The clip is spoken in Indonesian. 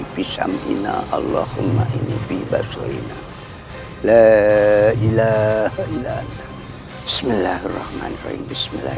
fishamina allahumma inni fi baswina la ilaha illa anna bismillahirrahmanirrahim bismillah